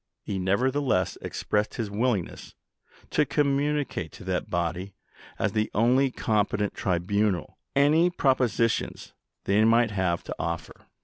He nevertheless expressed his willingness to communicate to that body, as the only competent tribunal, any propositions they might have to offer."